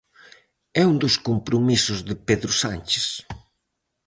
É un dos compromisos de Pedro Sánchez.